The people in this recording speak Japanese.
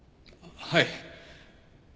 あっはい。